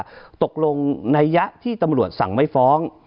ว่าตกลงในยะที่ตำรวจสั่งไม่ฟ้อง